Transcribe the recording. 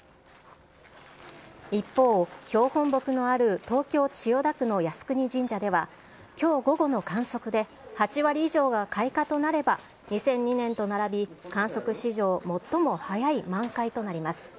一方、標本木のある東京・千代田区の靖国神社では、きょう午後の観測で８割以上が開花となれば、２００２年と並び、観測史上最も早い満開となります。